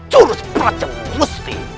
curus pancam busti